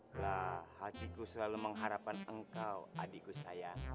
lah hatiku selalu mengharapkan engkau adikku sayang